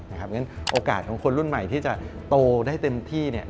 งั้นโอกาสของคนรุ่นใหม่ที่จะโตได้เต็มที่